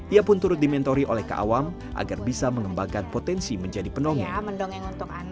ia pun turut dimentori oleh keawam agar bisa mengembangkan potensi menjadi pendongeng